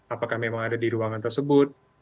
apakah memang ada di ruangan tersebut